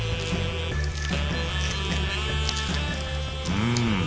うん。